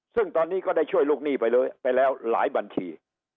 ซึ่งตอนนี้ก็ได้ช่วยลูกหนี้ไปเลยไปแล้วหลายบัญชี